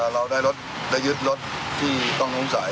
เราได้รถได้ยึดรถที่ต้องนุ้งใส